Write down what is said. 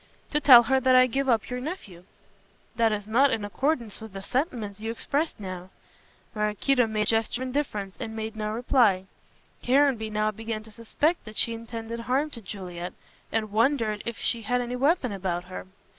"To tell her that I give up your nephew." "That is not in accordance with the sentiments you expressed now." Maraquito made a gesture of indifference and made no reply. Caranby now began to suspect that she intended harm to Juliet, and wondered if she had any weapon about her.